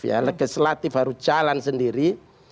ya legislatif harus jalan sendiri